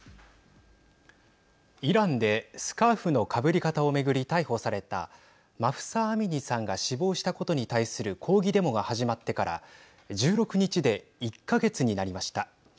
イランでスカーフのかぶり方を巡り逮捕されたマフサ・アミニさんが死亡したことに対する抗議デモが始まってから１６日で１か月になりました。